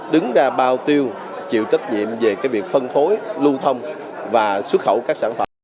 đứng ra bao tiêu chịu trách nhiệm về việc phân phối lưu thông và xuất khẩu các sản phẩm